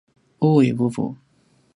uwi vuvu